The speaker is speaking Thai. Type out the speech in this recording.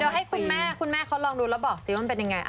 เดี๋ยวให้คุณแม่คุณแม่เขาลองดูแล้วบอกซิว่ามันเป็นยังไง